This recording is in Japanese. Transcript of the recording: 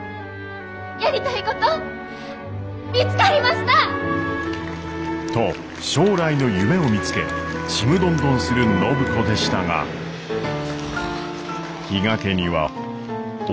やりたいこと見つかりました！と将来の夢を見つけちむどんどんする暢子でしたが比嘉家には大きな災いが忍び寄っていました。